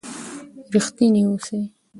رښتیني اوسئ.